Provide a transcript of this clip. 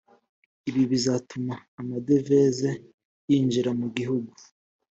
ibi bizatuma amadevize yinjira mu gihugu